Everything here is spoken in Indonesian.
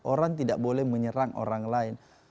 orang tidak boleh menyerang orang lain